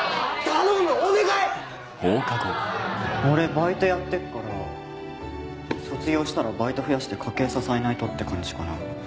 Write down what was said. バイトやってっから卒業したらバイト増やして家計支えないとって感じかな。